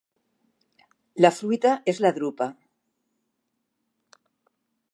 La fruita és la drupa.